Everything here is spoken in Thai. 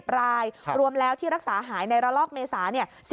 ๑รายรวมแล้วที่รักษาหายในระลอกเมษา